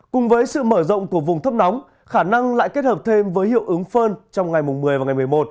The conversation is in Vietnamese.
cùng với sự mở rộng của vùng thấp nóng khả năng lại kết hợp thêm với hiệu ứng phơn trong ngày một mươi và ngày một mươi một